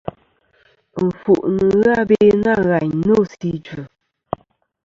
Ɨnfuʼ nɨn ghɨ abe nâ ghàyn nô sɨ idvɨ.